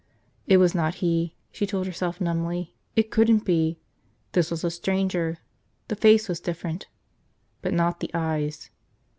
It was not he, she told herself numbly, it couldn't be. This was a stranger. The face was different. But not the eyes.